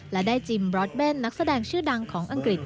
และได้จิมบรอสเบนนักแสดงชื่อดังของอังกฤษ